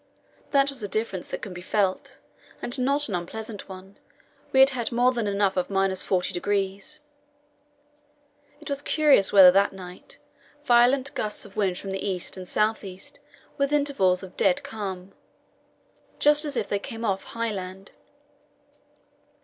That was a difference that could be felt, and not an unpleasant one; we had had more than enough of 40°. It was curious weather that night: violent gusts of wind from the east and south east, with intervals of dead calm just as if they came off high land.